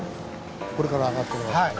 これから上がっていきますね。